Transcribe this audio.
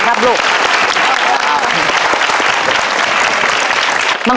ไปเร็วหน้า